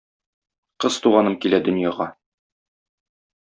Кыз туганым килә дөньяга.